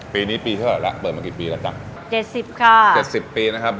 ปีนี้ปีเท่าไหร่แล้วเปิดมากี่ปีแล้วจ้ะเจ็ดสิบค่ะเจ็ดสิบปีนะครับ